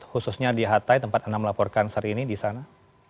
khususnya di hatay tempat anda melaporkan saat ini di sana